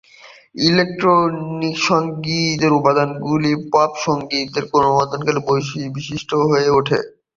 Electronic সংগীতের উপাদানগুলি pop সঙ্গীতে ক্রমবর্ধমানভাবে বিশিষ্ট হয়ে ওঠে।